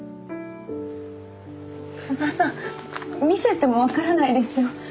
久我さん見せても分からないですよ。